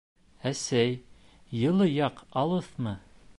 — Әсәй, йылы яҡ алыҫмы?